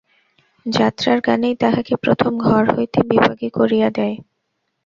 যাত্রার গানেই তাহাকে প্রথম ঘর হইতে বিবাগি করিয়া দেয়।